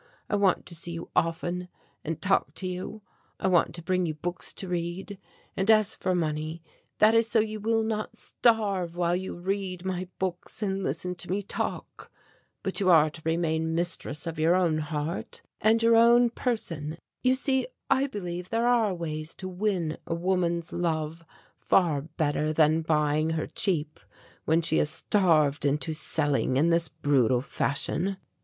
I want to see you often and talk to you. I want to bring you books to read. And as for money, that is so you will not starve while you read my books and listen to me talk. But you are to remain mistress of your own heart and your own person. You see, I believe there are ways to win a woman's love far better than buying her cheap when she is starved into selling in this brutal fashion."